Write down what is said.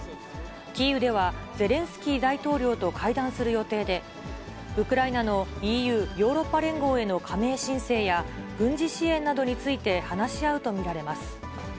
キーウでは、ゼレンスキー大統領と会談する予定で、ウクライナのＥＵ・ヨーロッパ連合への加盟申請や、軍事支援などについて話し合うと見られます。